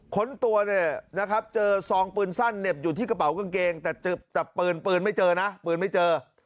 ค้นตัวเนี่ยนะครับเจอซองปืนสั้นเหน็บอยู่ที่กระเป๋ากางเกงแต่ปืนปืนไม่เจอนะปืนไม่เจอ